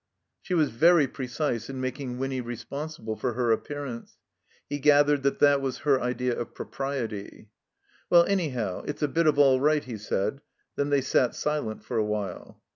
She was very precise in making Winny responsible for her appearance. He gathered that that was her idea of propriety. "Well — anyhow — it's a bit of all right," he said. Then they sat silent for a while.